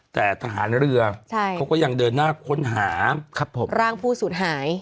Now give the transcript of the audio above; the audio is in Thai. แต่ทหารเรือใช่เขาก็ยังเดินหน้าค้นหาครับผมร่างผู้สูญหาย